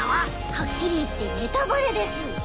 はっきり言ってネタバレです。